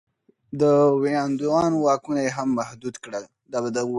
د ویاندویانو واکونه یې هم محدود کړل.